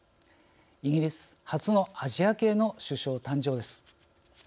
イギリス初のアジア系の首相誕生です。